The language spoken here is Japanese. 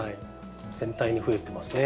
全体に増えてますね。